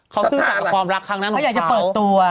เขาซึ่งจากความรักข้างนั้นของเขา